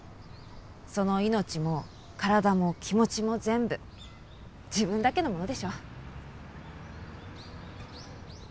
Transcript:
その命も体も気持ちも全部自分だけのものでしょ。